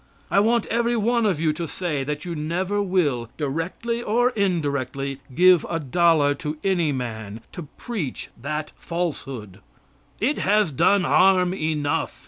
I want everyone of you to say, that you never will, directly or indirectly, give a dollar to any man to preach that falsehood. It has done harm enough.